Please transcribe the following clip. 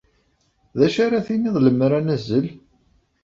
D acu ara tiniḍ lemmer ad nazzel?